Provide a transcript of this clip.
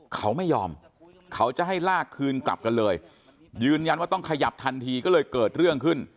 เขาไม่ยอมเขาจะให้ลากคืนกลับกันเลยยืนยันว่าต้องขยับทันทีก็เลยเกิดเรื่องขึ้น